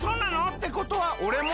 ってことはおれも？